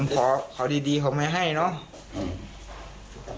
ขอเขาดีเขาไม่ให้เนาะ